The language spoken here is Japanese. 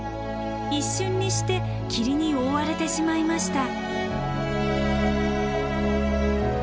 一瞬にして霧に覆われてしまいました。